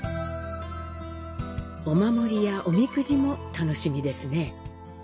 お守りやおみくじも楽しみですね。